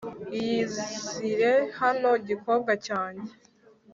iyizire hano gikobwa cyane